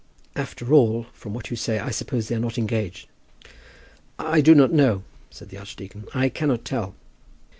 "After all, from what you say, I suppose they are not engaged." "I do not know," said the archdeacon. "I cannot tell!"